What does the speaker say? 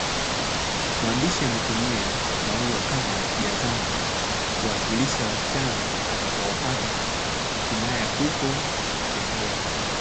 Mwandishi ametumia maua kama jazanda kuwakilisha wasichana atakaowapata Kinaya huko shereheni